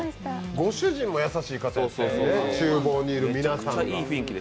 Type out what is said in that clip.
ご主人も優しい方でしたよね、ちゅうぼうにいる皆さんが。